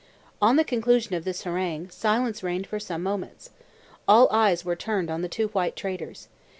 On the conclusion of this harangue, silence reigned for some moments. All eyes were turned on the two white traders.